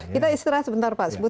kita istirahat sebentar pak sebut